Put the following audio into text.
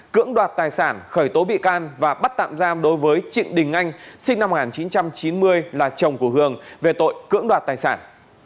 cưỡng đoạt tài sản khởi tố bị can và bắt tạm giam đối với trịnh đình anh sinh năm một nghìn chín trăm chín mươi là chồng của hường về tội cưỡng đoạt tài sản